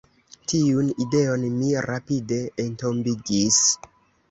Tiun ideon mi rapide entombigis.